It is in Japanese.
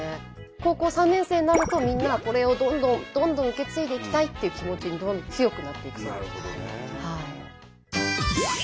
高校３年生になるとみんなこれをどんどんどんどん受け継いでいきたいっていう気持ちに強くなっていくそうです。